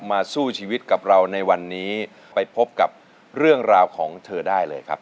สู้ชีวิตกับเราในวันนี้ไปพบกับเรื่องราวของเธอได้เลยครับ